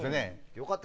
よかった。